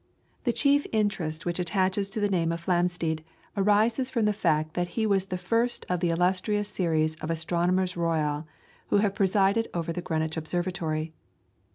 The chief interest which attaches to the name of Flamsteed arises from the fact that he was the first of the illustrious series of Astronomers Royal who have presided over Greenwich Observatory.